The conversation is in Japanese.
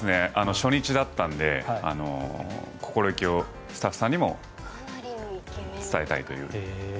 初日だったので心意気をスタッフさんにも伝えたいという。